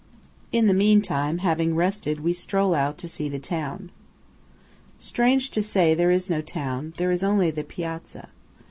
In the meantime, having rested, we stroll out to see the town. Strange to say, there is no town; there is only the piazza.